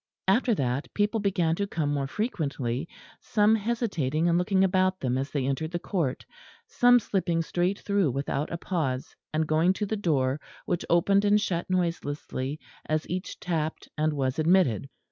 After that people began to come more frequently, some hesitating and looking about them as they entered the court, some slipping straight through without a pause, and going to the door, which opened and shut noiselessly as each tapped and was admitted.